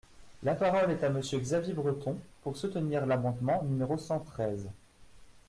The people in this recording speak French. La parole est à Monsieur Xavier Breton, pour soutenir l’amendement numéro cent treize.